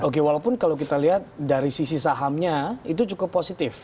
oke walaupun kalau kita lihat dari sisi sahamnya itu cukup positif